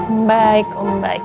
om baik om baik